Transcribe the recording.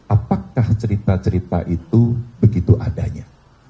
apakah cerita cerita itu begitu adanya